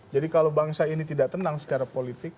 jadi kalau bangsa ini tidak tenang secara politik